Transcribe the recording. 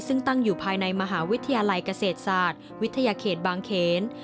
ซึ่งตั้งอยู่ภายในมหาวิทยาลัยเกษตรศาสตร์วิทยาเขตบางเขน